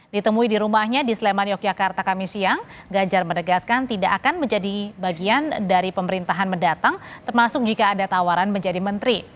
ditemui di rumahnya di sleman yogyakarta kami siang ganjar menegaskan tidak akan menjadi bagian dari pemerintahan mendatang termasuk jika ada tawaran menjadi menteri